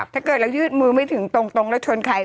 ถ้าเกิดเรายืดมือไม่ถึงตรงแล้วชนใคร